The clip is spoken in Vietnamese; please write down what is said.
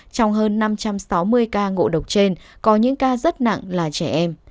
trong hơn năm trăm sáu mươi ca ngộ độc trên có những ca rất nặng là trẻ em